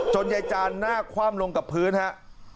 ยายจานหน้าคว่ำลงกับพื้นครับ